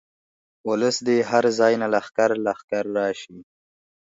اولس دې هر ځاي نه لښکر لښکر راشي.